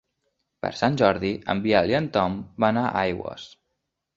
Per Sant Jordi en Biel i en Tom van a Aigües.